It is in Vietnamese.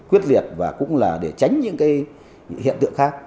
quyết liệt và cũng là để tránh những cái hiện tượng khác